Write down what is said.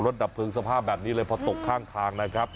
สหภาพแบบนี้เลยพอตกข้าง